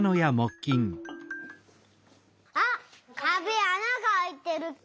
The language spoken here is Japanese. あっかべあながあいてる！